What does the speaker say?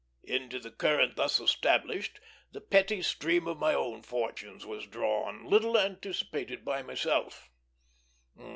Into the current thus established the petty stream of my own fortunes was drawn, little anticipated by myself.